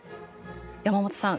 山本さん